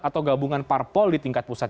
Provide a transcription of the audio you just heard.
atau gabungan parpol di tingkat pusat